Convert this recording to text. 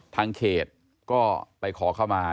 ทางเขตก็ไปขอเข้ามา